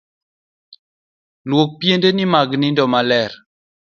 Luok piendeni mag nindo maler.